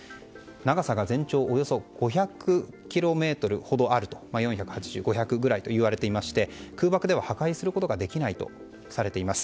長さが全長およそ５００ｋｍほどあるということでして空爆では破壊することができないとされています。